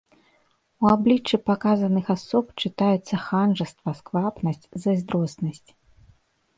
У абліччы паказаных асоб чытаюцца ханжаства, сквапнасць, зайздроснасць.